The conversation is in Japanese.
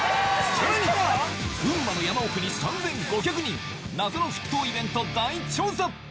さらに群馬の山奥に３５００人謎の沸騰イベント大調査！